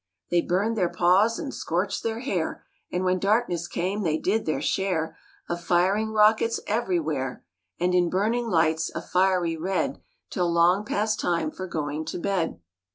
They burned their paws and scorched their hair. And when darkness came they did their share Of firing rockets everywhere, And in burning lights, a fiery red, Till long past time for going to bed.